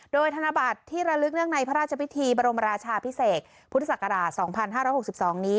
โดยธนบัตรที่ระลึกเนื่องในพระราชพิธีบรมราชาพิเศษพุทธศักราชสองพันห้าร้อยหกสิบสองนี้